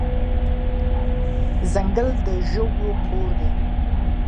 ځنګل د ژوو کور دی.